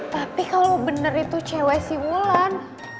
tapi kalo bener itu cewek si ulan